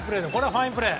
ファインプレー。